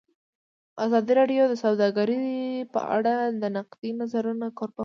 ازادي راډیو د سوداګري په اړه د نقدي نظرونو کوربه وه.